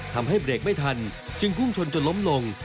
ทำให้เบรกไม่ทันจึงพุ่งชนจนล้มลง